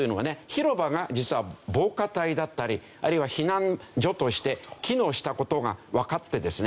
広場が実は防火帯だったりあるいは避難所として機能した事がわかってですね